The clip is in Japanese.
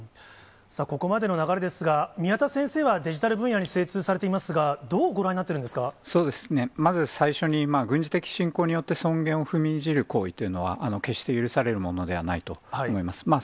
ここまでの流れですが、宮田先生はデジタル分野に精通されていますが、どうご覧になってそうですね、まず最初に軍事的侵攻によって尊厳を踏みにじる行為というのは、決して許されるものではないと思います。